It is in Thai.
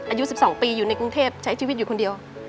อายุ๑๒ปีอยู่ในกรุงเทพใช้ชีวิตอยู่คนเดียว